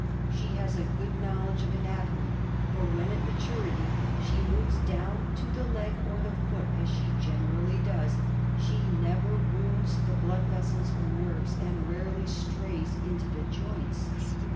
She has a good knowledge of anatomy, for when at maturity she moves down to the leg or foot, as she generally does, she never wounds the blood vessels or nerves, and rarely strays into the joints.